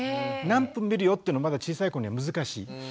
何分見るよっていうのはまだ小さい子には難しい。